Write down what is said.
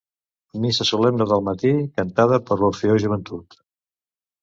Missa solemne del matí, cantada per l'Orfeó Joventut.